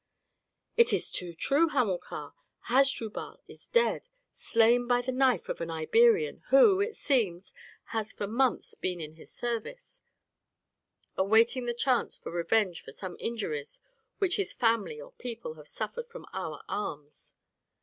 "It is too true, Hamilcar. Hasdrubal is dead slain by the knife of an Iberian, who, it seems, has for months been in his service, awaiting the chance for revenge for some injuries which his family or people have suffered from our arms.